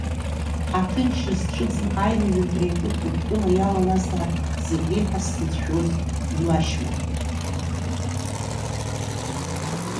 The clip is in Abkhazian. Аҭынчра зцәыӡны аилаҩынтра иаҿу Ҭырқәтәыла иалалазаап зегь реиҳа сзыцәшәоз булашьма…